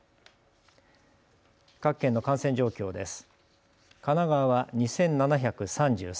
各県の感染状況です。